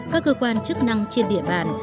các cơ quan chức năng trên địa bàn